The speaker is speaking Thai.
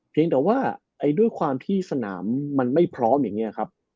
เพียงแต่ว่าด้วยความที่สนามมันไม่พร้อมอย่างนี้ครับ